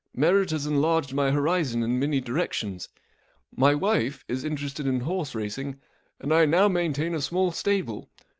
Marriage has enlarged my .horizon in many directions* My wife is interested in horse racing; and I now maintain a small stable.